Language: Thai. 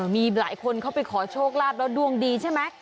มีหลายคนเข้าไปขอโชคลาภแล้วดวงดีใช่ไหม